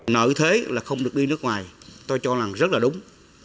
nợ thế là không được đi nước ngoài tôi cho rằng rất là đúng